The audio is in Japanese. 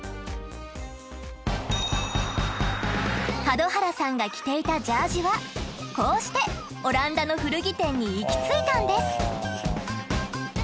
門原さんが着ていたジャージはこうしてオランダの古着店に行き着いたんです。